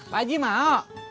pak ji mau